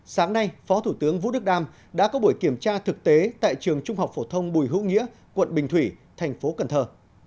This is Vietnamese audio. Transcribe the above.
sáng nay phó thủ tướng vũ đức đam đã có buổi kiểm tra thực tế tại trường trung học phổ thông bùi hữu nghĩa quận bình thủy thành phố cần thơ